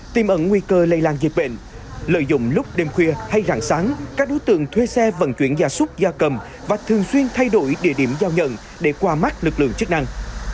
tìm ẩn nguy cơ lây lan dịch bệnh lợi dụng lúc đêm khuya hay rạng sáng các đối tượng thuê xe vận chuyển gia súc gia cầm và thường xuyên thay đổi địa điểm giao nhận để qua mắt lực lượng chức năng